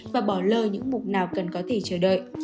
và bỏ lơ những mục nào cần có thể chờ đợi